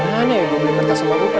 gimana ya gue beli kertas sama pulpen